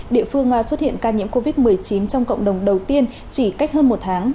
địa phương xuất hiện ca nhiễm covid một mươi chín trong cộng đồng đầu tiên chỉ cách hơn một tháng